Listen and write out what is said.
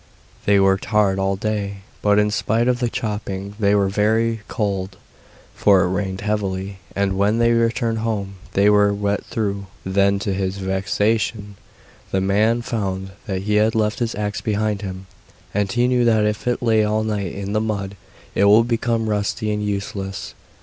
They worked hard all day, but in spite of the chopping they were very cold, for it rained heavily, and when they returned home, they were wet through. Then, to his vexation, the man found that he had left his axe behind him, and he knew that if it lay all night in the mud it would become rusty and useless.